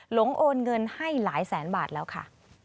หลงโอนเงินให้หลายแสนบาทแล้วค่ะ